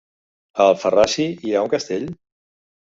A Alfarrasí hi ha un castell?